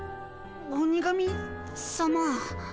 鬼神さま。